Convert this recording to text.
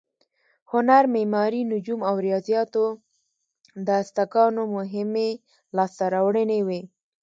هنر، معماري، نجوم او ریاضیاتو د ازتکانو مهمې لاسته راوړنې وې.